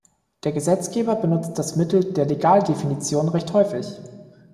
Der Gesetzgeber benutzt das Mittel der Legaldefinition recht häufig.